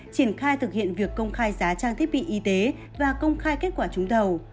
triển khai thực hiện việc công khai giá trang thiết bị y tế và công khai kết quả trúng thầu